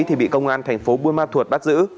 thì bị công an thành phố buôn ma thuột bắt giữ